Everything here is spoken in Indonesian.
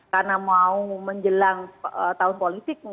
karena mau menjelang tahun politik ya